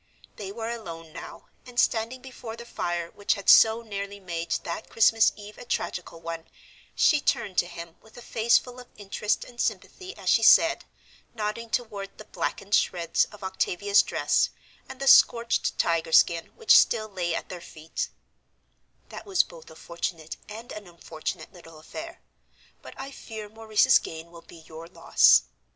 They were alone now, and, standing before the fire which had so nearly made that Christmas Eve a tragical one, she turned to him with a face full of interest and sympathy as she said, nodding toward the blackened shreds of Octavia's dress, and the scorched tiger skin which still lay at their feet, "That was both a fortunate and an unfortunate little affair, but I fear Maurice's gain will be your loss.